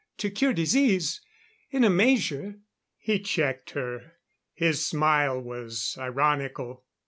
To cure disease, in a measure " He checked her; his smile was ironical.